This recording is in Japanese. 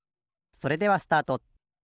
それではスタート。